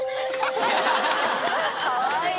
かわいい！